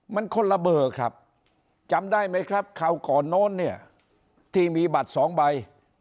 มันคนละเบอร์ครับจำได้ไหมครับคราวก่อนโน้นเนี่ยที่มีบัตรสองใบ